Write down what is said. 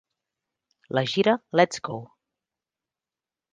La gira Let's Go.